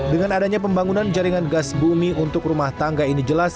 dengan adanya pembangunan jaringan gas bumi untuk rumah tangga ini jelas